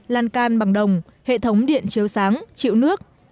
lan can bằng đồng hệ thống điện chiếu sáng chịu nước